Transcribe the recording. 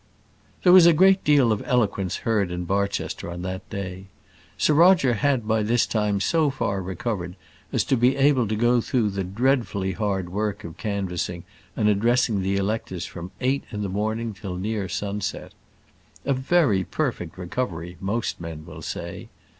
There was a great deal of eloquence heard in Barchester on that day. Sir Roger had by this time so far recovered as to be able to go through the dreadfully hard work of canvassing and addressing the electors from eight in the morning till near sunset. A very perfect recovery, most men will say.